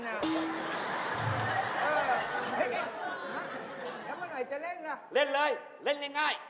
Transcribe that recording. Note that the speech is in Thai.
ยังมาไหนจะเล่นล่ะเล่นเลยเล่นง่าย